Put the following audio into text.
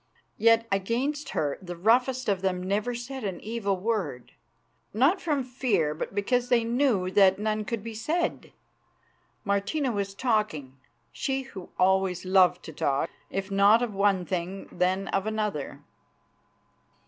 Yet against her the roughest of them never said an evil word; not from fear, but because they knew that none could be said. Martina was talking, she who always loved to talk, if not of one thing, then of another.